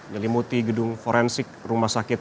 nyelimuti gedung forensik rumah sakit